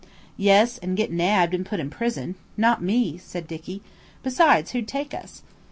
"Yes, and get nabbed and put in prison. Not me," said Dicky. "Besides, who'd take us?"